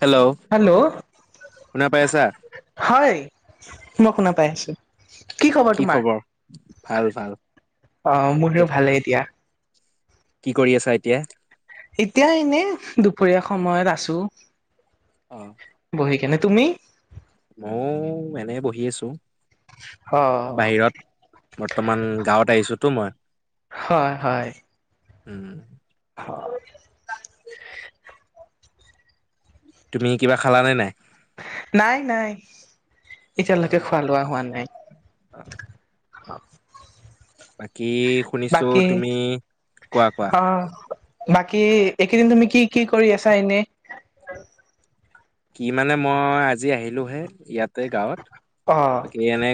Hello hello শুনা পাই আছা? হয় মই শুনা পাই আছো কি খবৰ ভাল ভাল অ তো মোৰও ভালেই এতিয়া কি কৰি আছা এতিয়া এতিয়া এনে দুপৰীয়া সময়ত আছো অ বহি কেনে তুমি ময়ো এনে বহি আছো অ বাহিৰত বৰ্তমান গাঁৱত আহিছোতো মই হয় হয় উম অ তুমি কিবা খালা নে নাই নাই নাই এতিয়ালৈকে অ' খোৱা লোৱা হোৱা নাই অ কি শুনিছো বাকী তুমি কোৱা কোৱা অ বাকী এইকেইদিন তুমি কি কি কৰি আছা এনে কি মানে মই আজি আহিলো হে ইয়াত তে গাঁৱত অ বাকী এনে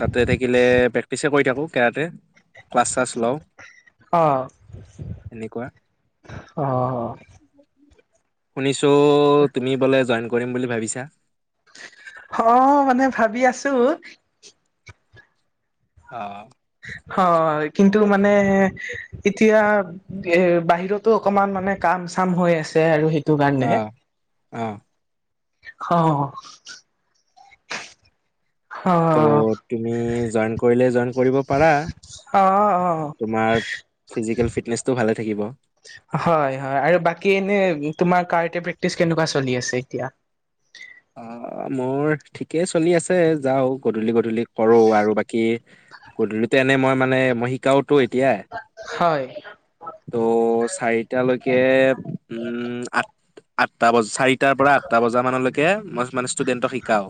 তাতে থাকিলে প্ৰেক্টিচ কৰি থাকো কেৰাতে ক্লাছ শ্লাছ লওঁ অ এনেকুৱা। অ অ শুনিছো তুমি বোলে জইন কৰিম বুলি ভাবিছা অ মানে ভাবি আছো অ হয় কিন্তু মানে এতিয়া এ বাহিৰতো অকমান মানে কাম চাম হৈ আছে আৰু সেইটো কাৰণে অ' অ খ অ ত' অ', তুমি জইন কৰিলে জইন কৰিব পাৰা অ', অ', তোমাৰ ফিজিকেল ফিটনেচটো ভালে থাকিব হয় হয় আৰু বাকী এনে তোমাৰ কাৰাটে প্ৰেক্টিচ কেনেকোৱা চলি আছে এতিয়া অ মোৰ ঠিকেই চলি আছে যাও গধূলি গধূলি কৰো আৰু বাকী গধূলিতে এনে মই মানে মই শিকাও টো এতিয়া হয়, ত' চাৰি তা লৈকে উম আঠ আঠটা বজা চাৰিটাৰ পৰা আঠটা বজা মানলৈ কে মই মানে ষ্টুডেণ্টক শিকাও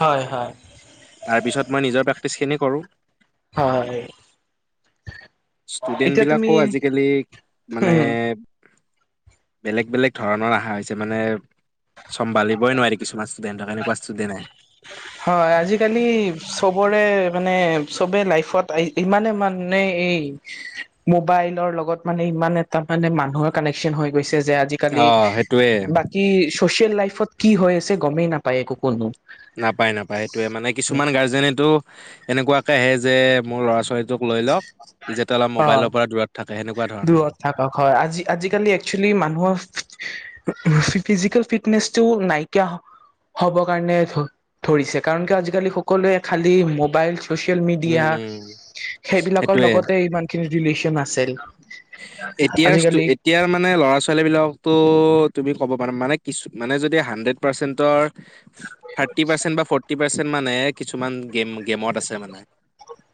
হয়, হয়, তাৰপিছত মই নিজৰ প্ৰেক্টিছখিনি কৰোঁ হয়, ষ্টুডেন্ট এতিয়া তুমি বিলাকো আজিকালি মানে উম, বেলেগ বেলেগ ধৰণৰ আহা হৈছে মানে চম্ভালিবই নোৱাৰি কিছুমান ষ্টুডেন্টক এনেকুৱা ষ্টুডেন্ট আহে হয় আজিকালি চবৰে মানে চবে লাইফত ইমানে মানে এই মোবাইলৰ লগত মানে ইমান এটা মানে মানুহৰ কানেকশ্বন হৈ গৈছে যে অ আজিকালি সেইটোয়ে বাকী চচিয়েল লাইফত কি হৈ আছে গমেই নাপায় একো কোনো নাপায় নাপায় সেইটোয়ে মানে কিছুমান গাৰ্জেনেটো এনেকোৱাকে আহে যে মোৰ ল'ৰা ছোৱালী তোক লৈ লওক ই যাতে অলপ অ, মোবাইলৰ পৰা দূৰত থাকে সেনেকুৱা ধৰণৰ দূৰত থাকক হয় আজি আজিকালি একচুৱেলি মানুহৰ ফিজিকেল ফিটনেচটো নাইকিয়া হৈ হ'ব কাৰণে ধ ধৰিছে কাৰণ আজিকালি সকলোৱে খালি mobile social media, um um সেইবিলাকৰ সেইটোয়ে লগতে ইমানখিনি ৰিলেচন আছিল। এতিয়া আজিকালি এতিয়াৰ মানে ল'ৰা -ছোৱালী বিলাক ত' তুমি ক'ব পাৰা মানে কিছু মানে যদি হাণ্ড্ৰেড পাৰ্চেন্টৰ থাৰ্টি পাৰ্চেন্ট বা ফৰ্টি পাৰ্চেন্ট মানে কিছুমান গেম গেমত আছে মানে।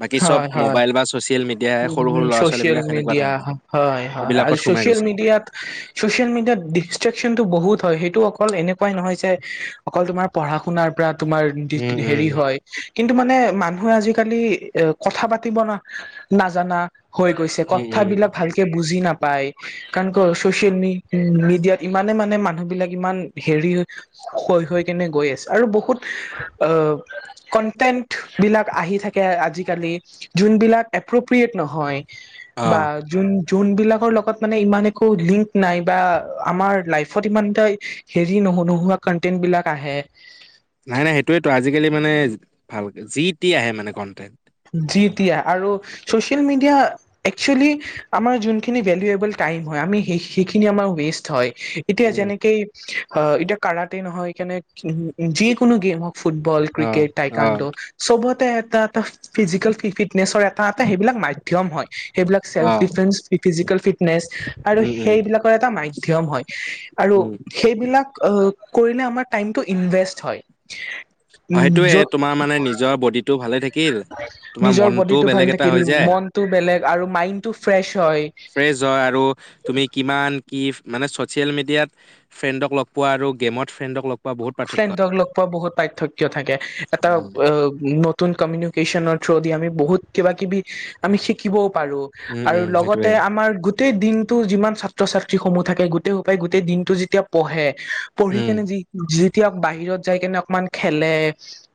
বাকী চব হয় হয় মোবাইল বা চচিয়েল মিডিয়াই সৰু উম, সৰু ল'ৰা- ছোৱালী ছ'চিয়েল বিলাক সেনেকুৱা মিডিয়া ধৰণৰ। হয় হয় আৰু এইবিলাকত সোমাই চচিয়েল গৈছে মিডিয়াত চচিয়েল মিডিয়াত ডিচট্ৰেকশ্বনটো বহুত হয়। সেইটো অকল এনেকুৱাই নহয় যে অকল তোমাৰ পঢ়া শুনাৰ পৰা তোমাৰ উম উম হেৰি হয় কিন্তু মানে মানুহে আজিকালি এ কথা পাতিব ন নাজানা হৈ গৈছে, উম উম কথাবিলাক ভালকে বুজি নাপ পাই, কাৰণ ক চচিয়েল মি মিডিয়াত ইমানে মানে মানুহ বিলাক ইমান হেৰি হৈ হৈ কেনে গৈ আছে আৰু বহুত অ কনটেন্ট বিলাক আহি থাকে আজি আজি কালি যোনবিলাক এপ্ৰপিয়েত নহয় অ বা যোন যোনবিলাকৰ লগত মানে ইমান একো লিংক নাই বা আমাৰ লাইফত ইমান এটা হেৰি ন নোহোৱা কন্টেন্ট বিলাক আহে। ভালকে যি তি আহে মানে কন্টেন। যি তি আৰু ছচিয়েল মিডিয়া একচুৱেলী আমাৰ যোনখিনি ভেলোয়েবাল টাইম টাইম হয় আমি সেই সেইখিনি আমাৰ ৱেষ্ট হয়। এতিয়া উম। যেনেকেই, অ' এতিয়া কাৰাতেই নহয় কেনে যি কোনো গেম হওক ফুটবল, অ', ক্ৰিকেট, অ', টাইকাণ্ডো চবতে এটা এটা ফিজিকেল ফিটনেচৰ এটা এটা সেইবিলাক মাধ্যম হয়, সেইবিলাক চেল্ফ অ', ডিফেন্স, ফিজিকেল ফিটনেচ আৰু উম, উম, সেইবিলাকৰ এটা মাধ্যম হয় আৰু উম, সেইবিলাক কৰিলে আমাৰ টাইমটো ইনভেষ্ট হয়। অ' সেইটোয়ে য'ত তোমাৰ মানে নিজৰ বডিটো ভালে থাকি নিজৰ বডিটো ভাল থাকিল, হৈ যায় মনটো বেলেগ আৰু মাইণ্ডটো ফ্ৰেচ হয়। জই আৰু তুমি কিমান, কি মানে চচিয়েল মিডিয়াত ফ্ৰেণ্ডক লগ পোৱা আৰু গেমত ফ্ৰেণ্ডক লগ পোৱা বহুত পাৰ্থক্য। ফ্ৰেণ্ডক লগ পোৱা বহুত পাৰ্থক্য থাকে। এটা উম, আ নত তুন কমিউনুকেচনৰ থ্ৰু দি আমি বহুত কিবা কিবি আমি শিকিবও পাৰো উম, আৰু উম, লগতে সেইটোয়ে আমাৰ গোট টেই দিনটো যিমান ছাত্ৰ -ছাত্ৰীসমূহ থাকে গোটেই সোপায় গোটেই দিনটো যেতিয়া পঢ়ে পঢ়ি উম, কেনে যি যেতিয়া বাহিৰত যাই কেনে অকমান খেলে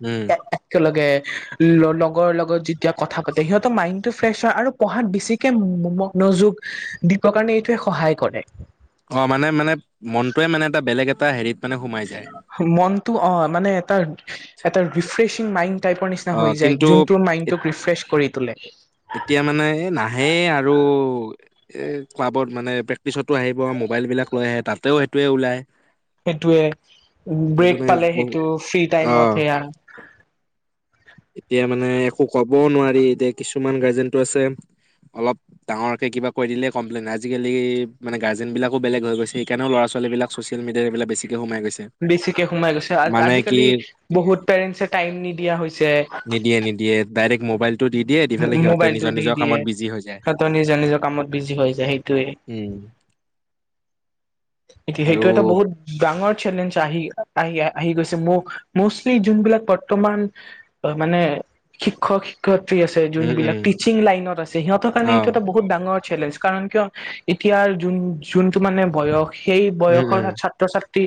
উম, এক একেলগে ল লগৰ লগত যেতিয়া কথা পাতে সিহতৰ মাইণ্ডটো ফ্ৰেছ হয় আৰু পঢ়াত বেছিকে ম ম মন মনযোগ দিবৰ কাৰণে এইটোৱে সহায় কৰে। অ', মানে মানে মনটোৱে মানে এটা বেলেগ এটা হেৰিত মানে সোমাই যায়। মনটো অ' মানে এটা এটা ৰিফ্ৰেছিং মাইণ্ড টাইপৰ নিচিনা হৈ অ', যায়, কিন্তু যোনটো মাইণ্ড টোক ৰিফ্ৰেছ কৰি তোলে। এতিয়া মানে এ নাহে আৰু এ ক্লাবত মানে প্ৰেক্টিচতো আহিব মোৰ মোবাইবিলাক লৈ আহে তাতে সেইটোৱে ওলায়। সেইটোৱে, ব্ৰেক মানে পালে বহুত সেইটো ফ্ৰী অ টাইমত সেয়া [inaudible] এতিয়া মানে একো ক'বও নোৱাৰি, এতিয়া কিছুমান গাৰ্জেনটো আছে অলপ ডাঙৰকে কিবা কৰি দিলে কমপ্লেইন আজিকালি মানে গাৰ্জেন বিলাকো বেলেগ হৈ গৈছে সেইকাৰণেও ল'ৰা- ছো ৱালীবিলাক চচিয়েল মিডিয়া এইবিলাক বেছি বেছিকে সোমাই গৈছে। আ আ কি আজিকালি বহুত পেৰেণ্টছে টাইম নিদিয়া হৈছে। নিদিয়ে নিদিয়ে, ডাইৰেক্ট মোবাইলটো দি দিয়ে, দি পেলাই সিহঁতে নিজৰ নিজৰ কামত বিজি হৈ যায় সিহতৰ নিজৰ নিজৰ কামত বিজি হৈ যায় সেইটোয়েই। এইটো উম আৰু সেইটোৱেইটো এটা বহুত ডাঙৰ চেলেঞ্জ আহ আহি গৈছে মোষ্টলি যোনবিলাক বৰ্তমান মানে শিক্ষক শিক্ষয়িত্ৰী আছে যোন উম বিলাক উম টিচিং লাইনত আছে সিহঁতৰ কাৰণে অ এইটো এটা বহুত ডাঙৰ চেলেঞ্জ কাৰণ কিয় এতিয়াৰ যোন যোনটো মানে বয়স সেই উম বয়সৰ উম ছাত্ৰ ছাত্ৰী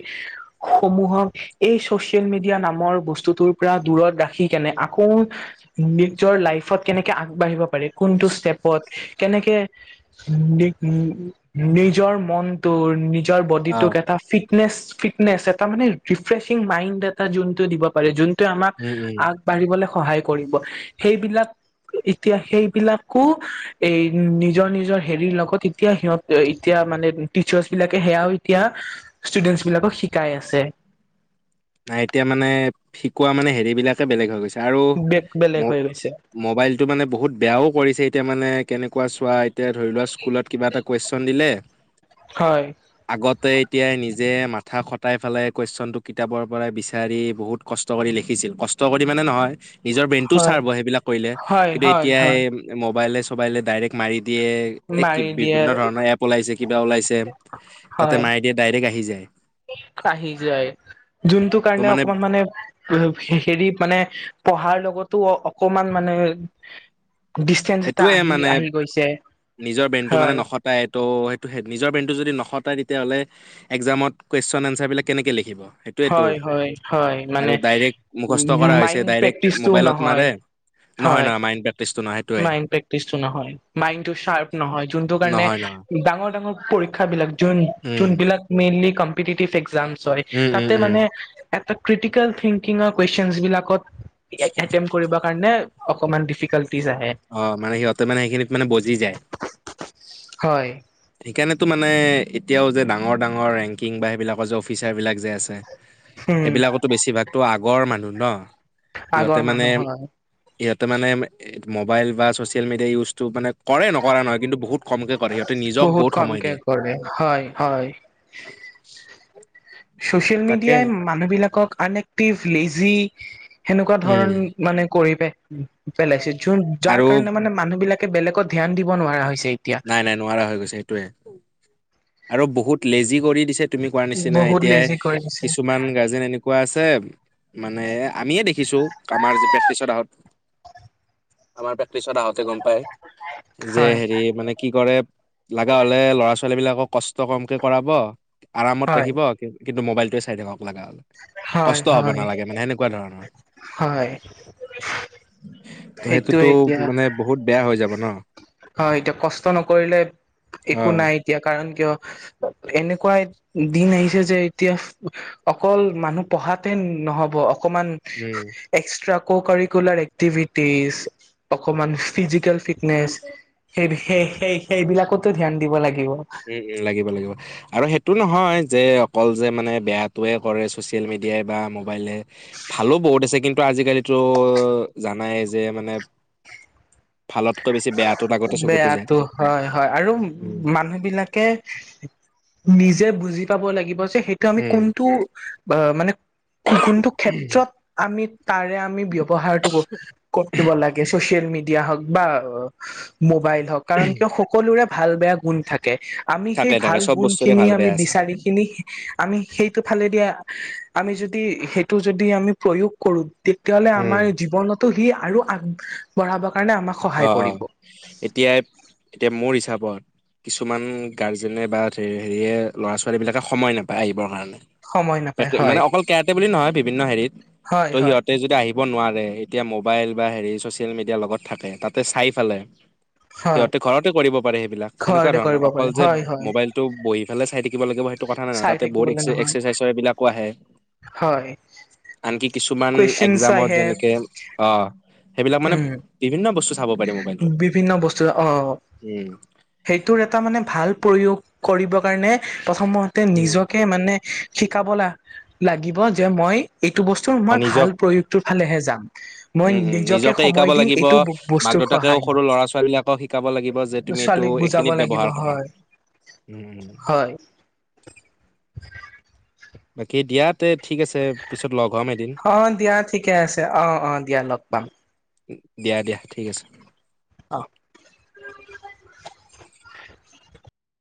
সমূহক এই চচিয়েল মিডিয়া নামৰ বস্তুটোৰ পৰা দূৰত ৰাখি কেনে আকৌ নিজৰ লাইফত কেনেকে আগবাঢ়িব পাৰে কোনটো ষ্টেপত কেনেকে নিজৰ মনটো নিজৰ অ বডিটোক এটা ফিট ফিটনেছ ফিটনেছ এটা মানে ৰিফ্ৰেছিং মাইণ্ড এটা যোনটো দিব পাৰে যোনটো যোনটোৱে আমাক উম উম আগবাঢ়িবলৈ সহায় কৰিব সেইবিলাক এতিয়া সেইবিলাকো এ নিজৰ নিজৰ হেৰিৰ লগত এতিয়া সিহঁত এতিয়া এতিয়া মানে টিচাৰচবিলাকে সেয়াও এতিয়া ষ্টুডেন্টচ বিলাকক শিকাই আছে নাই এতিয়া মানে শিকোৱা মানে হেৰি বিলাকে বেলেগ হৈ গৈছে আৰু বে বেলেগ হৈ গৈছে মোবাইলটো মানে বহুত বেয়াও কৰিছে এতিয়া মানে কেনেকে কোৱা চোৱা এতিয়া ধৰি লোৱা স্কুলত কিবা এটা কুৱেশন দিলে হয় আগতে এতিয়াই নিজে মাথা খটাই পেলাই কুৱেশনটো কিতাপৰ পৰা বিচাৰি বহুত কষ্ট কৰি লিখিছিল কষ্ট কৰি মানে নহয় নিজৰ ব্ৰেইনটোও চাৰ্ভ হয় সেইবিলাক কৰিলে হয় কিন্তু হয় হয় এতিয়াই মোবাইলে চবাইলে ডাইৰেক্ট মাৰি দিয়ে দিয়ে এই মাৰি দিয়ে বিভিন্ন ধৰণৰ এপ ওলাইছে কিবা ওলাইছে তাতে হয় মাৰি দিয়ে ডাইৰেক্ট আহি যায় কুইক আহি যায় যোনটো কাৰণে অকমান মানে হেৰি মানে পঢ়াৰ লগতো অকমান মানে ডিচষ্টেঞ্চ এটা সেইটোয়ে আহি মানে আহি গৈছে নিজৰ বেন্ডটো মানে হয় নখটাই ত' সেইটো সে নিজৰ বেন্ডটো যদি নখটাই তেতি- তেতিয়াহ'লে একজামত কুৱেশ্যন এনচাৰবিলাক কেনেকৈ লিখিব সেইটোৱেটো হয় হয় হয় আৰু মানে ডাইৰেক্ট মুখস্থ কৰা হৈছে মাইণ্ড ডাইৰেক্ট প্ৰেক্টিচটোও মোবাইলত নহয় মাৰে নহয় নহয় মাইনণ্টেত মাইন্ড প্ৰেক্টিচটো নহয় মাইন্ড টো শাৰ্প নহয় যোনটো কাৰণে নহয় নহয় ডাঙৰ ডাঙৰ পৰীক্ষাবিলাক যোন উম যোনবিলাক মেইনলি কম্পিটিটিভ একজাম হয় উম উম তাতে উম মানে এটা ক্ৰিটিকেল থিংকিঙৰ কুৱেশ্যনচ বিলাকত এটেম কৰিব কাৰণে অকণমান ডিফিকাল্ অ মানে সিহঁতে মানে সেইখিনিত মানে বজি যায় হয় সেইকাৰণেতো মানে এতিয়াও যে ডাঙৰ ডাঙৰ ৰেংকিং বা সেইবিলাকৰ যে অফিচাৰ বিলাক যে আছে উম সেইবিলাকতো বেছিভাগতো আগৰ মানুহ ন আগৰ মানুহ হয় ইয়াতে মানে মোবাইল বা ছচিয়েল মিডিয়া ইউজটো মানে কৰে নকৰা নহয় কিন্তু বহুত কম বহুত কমকে কৰে হয় হয় ছচিয়েল তাকে মিডিয়াই মানুহবিলাকক আনএক্টিভ লেজি সেনেকুৱা ধৰণ উম মানে কৰি পে পেলাইছে যোন যাৰ আৰু কাৰণে মানে মানুহ বিলাক বেলেকত ধ্যান দিব নোৱাৰা হৈছে এতিয়া নাই নাই নোৱাৰা হৈ গৈছে সেটোৱে আৰু বহুত লেজি কৰি দিছে তুমি কোৱাৰ নিচিনা বহুত এতিয়াই লেজি কৰি দিছে কিছুমান গাৰ্জেন এনেকুৱা আছে মানে আমিয়ে দেখিছো আমাৰ যে প্ৰেক্টিচৰ আহত আমাৰ প্ৰেক্টিচত আহোতে গম পাই যে হয় হেৰি মানে কি কৰে লগা হলে ল'ৰা ছোৱালী বিলাকক কষ্ট কমকে কৰাব আৰামত হয় ৰাখিব কিন্তু মোবাইলটোৱে চাই থাকক লগা হ হয় কষ্ট হব হয় নালাগে মানে সেনেকুৱা ধৰণৰ [unintelligible] ত সেইটোতো এতিয়া মানে বহুত বেয়া হৈ যাব ন হয় এতিয়া কষ্ট নকৰিলে একো নাই এতিয়া কাৰণ কিয় এনেকুৱা দিন আহিছে যে এতিয়া অকল মানুহ পঢ়াতে নহ'ব অকমান উম এক্সট্ৰা ককাৰিকুলাৰ এক্টিভিটিজ অকমান ফিজিকেল ফিটনেচ সেই সেই সেই সেইবিলাকতো ধ্যান দিব লাগিব। উম উম লাগিব লাগিব আৰু সেইটো নহয় যে অকল যে মানে বেয়াতোয়ে কৰে ছচিয়েল মিডিয়াই বা মোবাইলে ভালো বহুত আছে কিন্তু আজিকালিতো জানাই যে মানে [unintelligible] ভালতকৈ বেছি বেয়াটোত আগতে চকুতো যায় বেয়াটো হয় হয় আৰু উম মানুহ বিলাক কে নিজে বুজি পাব লাগিব যে সেইটো আমি উম কোনটো মানে কো কোনটো ক্ষেত্ৰত আমি তাৰে আমি ব্যৱহাৰটো কৰিব লাগে চচিয়েল মিডিয়া হওক বা মোবাইল হওক কাৰণ কিয় সকলোৰে ভাল বেয়া গুণ থাকে। আমি সেই থাকে থাকে ভাল চব গুণ বস্তুৰে খিনি ভাল আমি বেয়া আছে বিচাৰিখিনি আমি সেইটো ফালে দিয়া আমি যদি সেইটো যদি আমি প্ৰয়োগ কৰো তেতিয়াাহলে উম আমাৰ জীৱনত টো সি আৰু আগ বঢ়াব কাৰণে আমাক সহায় অ অ কৰিব এতিয়া এতিয়া মোৰ হিচাপ কিছুমান গাৰ্জেনে বা হেৰিয়ে ল'ৰা ছোৱালী বিলাকে সময় নাপায় আহিবৰ কাৰণে সময় নাপায় তাকে হয় মানে অকল কেৰাটে বুলি নহয় বিভিন্ন হেৰিত হয় ত' হয় সিহঁতে যদি আহিব নোৱাৰে এতিয়া ম মোবাইল বা হেৰি ছ'চিয়েল মিডিয়াৰ লগত থাকে তাতে চাই পেলাই হয় সিহঁতে ঘৰতে কৰিব পাৰে সেইবিলাক সেনেকুৱা ঘৰতে ধৰণৰ কৰিব অকল পাৰে যে হয় হয় মোবাইলটো বহি ফালে চাই থাকিব লাগিব কথা নাই নহয় চাই তাতে বত থাকিবলৈ এক্স নহয় এক্সাৰচাইজৰ এইবিলাকো আহে। হয় আনকি কিছুমান কুৱেশনছ একজামত আহে যেনেকে অ সেইবিলাক মানে উম বিভিন্ন বস্তু চাব পাৰি মোবাইলটোত বিভিন্ন বস্তু অহ উম সেইটোৰ এটা মানে ভাল প্ৰয়োগ কৰিব কাৰণে প্ৰথমতে নিজকে মানে শিকাব লা লাগিব যে মই এইটো বস্তুৰ অ মই নিজক ভাল প্ৰয়োগটোৰ ফালেহে যাম। মই উম নিজকে সময় দিম এইটো বস্তু দেউতাকে সৰু'ৰা ছোৱালীবিলাকক শিকাব লাগিব যে তুমি তটো ছোৱালীক বুজাব এইখিনিত লাগিব ব্যবহাৰ কৰা। হয় উম হয় বাকী দিয়াতে অ দিয়া ঠিকে আছে অ অ দিয়া লগ পাম। দিয়া দিয়া ঠিক আছে অ